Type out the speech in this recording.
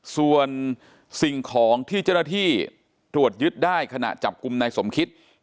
ส่วนสิ่งของที่เจณฐ่าที่ทวดยึดได้ขณะจับกลุ่มในสมคิด